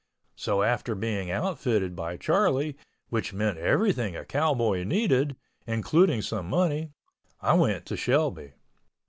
So after being outfitted by Charlie, which meant everything a cowboy needed, including some money, I went to Shelby.